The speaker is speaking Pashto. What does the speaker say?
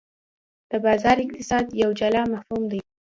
د بازار اقتصاد یو جلا مفهوم دی.